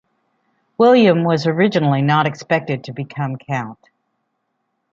William was originally not expected to become count.